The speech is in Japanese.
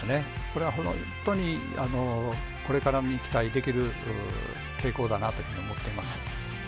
これは本当にこれからに期待できる傾向だなというふうに思っています。